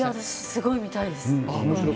すごく見たいです。